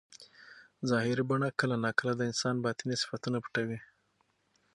ظاهري بڼه کله ناکله د انسان باطني صفتونه پټوي.